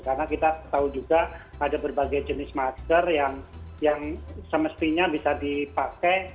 karena kita tahu juga ada berbagai jenis masker yang semestinya bisa dipakai